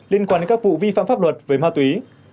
liên quan đến các vụ vi phạm pháp luật về ma túy